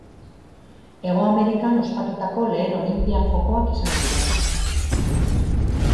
Hego Amerikan ospatutako lehen olinpiar jokoak izan ziren.